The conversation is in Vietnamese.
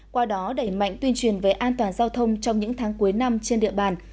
qua đó đẩy mạnh tuyên truyền về an toàn giao thông trong những tháng cuối năm trên địa bàn